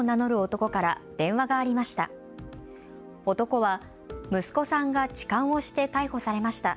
男は息子さんが痴漢をして逮捕されました。